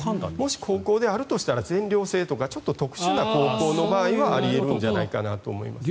もし高校であるとしたら全寮制とかちょっと特殊な高校の場合はあるんじゃないかと。